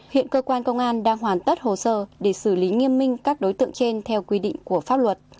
hiện cơ quan công an đang hoàn tất hồ sơ để xử lý nghiêm minh các đối tượng trên theo quy định của pháp luật